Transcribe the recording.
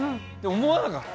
思わなかった？